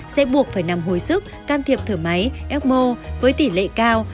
sẽ buộc phải nằm hồi sức can thiệp thở máy ecmo với tỷ lệ cao